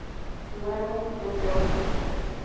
Merwin, entre otros.